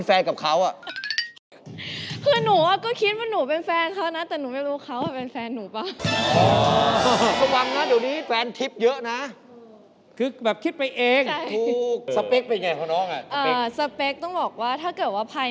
ในรอบแรกนี้เราจะได้รู้สเปคของสาวโสด